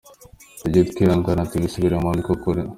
Tujye twihangana tubisubiremo ni ko kuri.